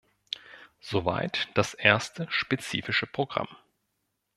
Soweit das erste spezifische Programm.